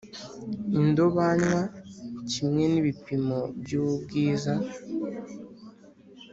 indobanywa kimwe n ibipimo by ubwiza